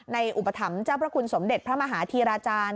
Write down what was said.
อุปถัมภ์เจ้าพระคุณสมเด็จพระมหาธีราจารย์